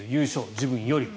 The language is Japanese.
自分よりも。